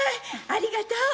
ありがとう。